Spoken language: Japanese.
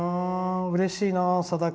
うれしいな、さだ研。